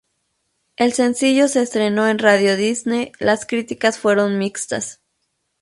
El sencillo se estrenó en Radio Disney las críticas fueron mixtas.